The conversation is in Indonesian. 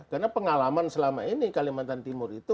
karena pengalaman selama ini kalimantan timur itu